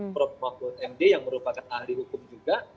prof mahfud md yang merupakan ahli hukum juga